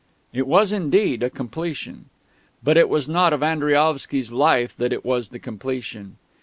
It was indeed a completion. But it was not of Andriaovsky's "Life" that it was the completion.